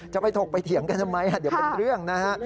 จะไปถกไปเถียงกันทำไมเดี๋ยวเป็นเรื่องนะฮะ